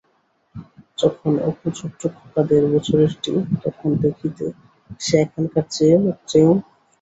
যখন অপু ছোট্ট খোকা দেড়বছরেরটি, তখন দেখিতে সে এখনকার চেয়েও টুকটুকে ফরসা ছিল।